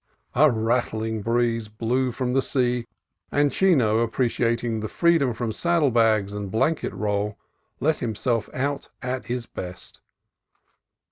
A rattling breeze blew from the sea, and Chino, appreciating the freedom from saddle bags and blanket roll, let himself out at his best.